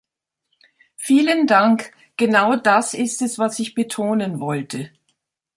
Vielen Dank genau das ist es, was ich betonen wollte.